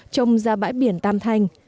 trông ra bãi biển tam thanh